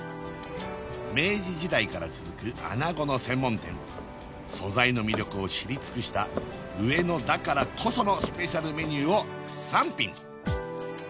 明治時代から続くあなごの専門店素材の魅力を知り尽くしたうえのだからこそのスペシャルメニューを３品！